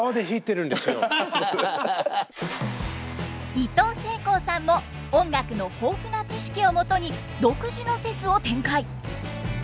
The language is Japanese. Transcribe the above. いとうせいこうさんも音楽の豊富な知識をもとに独自の説を展開。